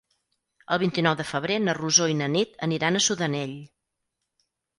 El vint-i-nou de febrer na Rosó i na Nit aniran a Sudanell.